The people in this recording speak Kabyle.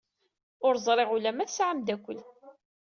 Ur ẓriɣ ula ma tesɛa amdakel.